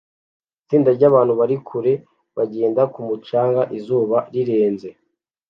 Itsinda ryabantu bari kure bagenda ku mucanga izuba rirenze